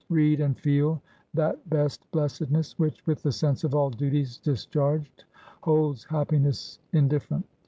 Read, and feel that best blessedness which, with the sense of all duties discharged, holds happiness indifferent.